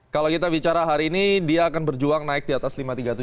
kalau kita bicara hari ini dia akan berjuang naik di atas lima ratus tiga puluh tujuh